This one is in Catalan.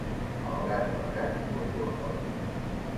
El gat amagat i la cua fora.